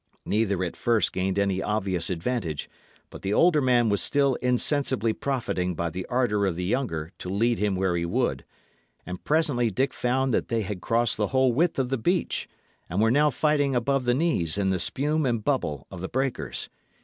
Neither at first gained any obvious advantage; but the older man was still insensibly profiting by the ardour of the younger to lead him where he would; and presently Dick found that they had crossed the whole width of the beach, and were now fighting above the knees in the spume and bubble of the breakers.